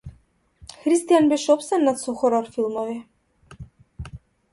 Христијан беше опседнат со хорор филмови.